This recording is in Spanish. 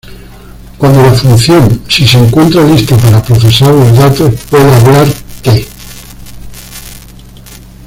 Cuando la función Si se encuentra lista para procesar los datos, puede hablar Te.